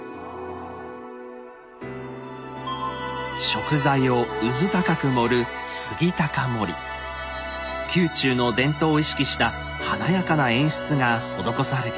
食材をうずたかく盛る宮中の伝統を意識した華やかな演出が施されています。